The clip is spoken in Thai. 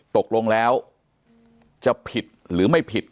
ตกลงแล้วจะผิดหรือไม่ผิด